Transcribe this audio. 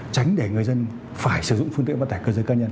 tránh để người dân phải sử dụng phương tiện vận tải cơ giới cá nhân